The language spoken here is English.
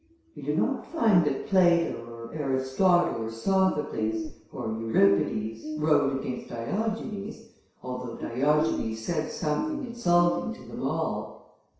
We do not find that Plato, or Aristotle, or Sophocles, or Euripides, wrote against Diogenes, although Diogenes said something insulting to them all.